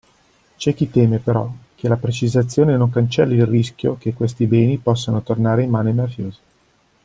C'è chi teme, però, che la precisazione non cancelli il rischio che questi beni possano tornare in mano ai mafiosi.